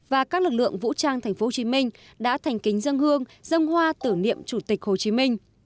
và các lực lượng vũ trang thành phố hồ chí minh đã thành kính dâng hương dâng hoa tưởng niệm chủ tịch hồ chí minh